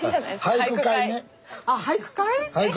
俳句会ね。